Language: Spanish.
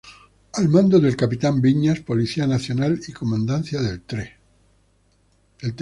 Al mando del Capitán Viñas, Policía Nacional, y comandancia del Tte.